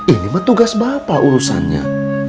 ini mah tugas bapak urusannya